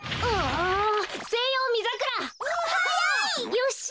よし！